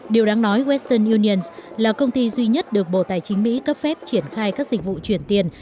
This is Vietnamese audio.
điều đáng nói western union là công ty duy nhất được bộ tài chính mỹ cấp phép triển khai các dịch vụ chuyển tiền